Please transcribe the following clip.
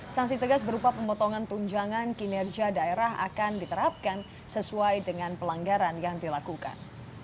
sanksi tegas berupa pemotongan tunjangan kinerja daerah akan diterapkan sesuai dengan pelanggaran yang dilakukan